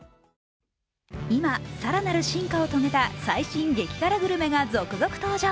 今、更なる進化を遂げた最新激辛グルメが続々登場。